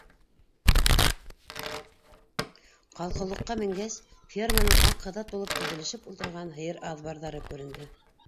Калҡыулыҡҡа менгәс, ферманың аҡ һыҙат булып теҙелешеп ултырған һыйыр аҙбарҙары күренде.